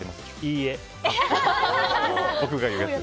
いいえ。